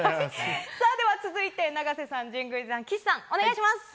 では続いて、永瀬さん、神宮寺さん、岸さん、お願いします。